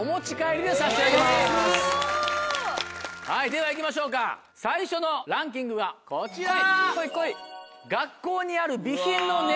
では行きましょうか最初のランキングがこちら。